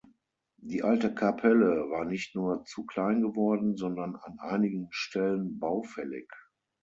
Die alte Kapelle war nicht nur zu klein geworden, sondern an einigen Stellen baufällig.